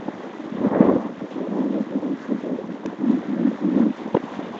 শাক হিসাবে ব্যবহৃত উদ্ভিদের একটি তালিকা নিচে রয়েছে।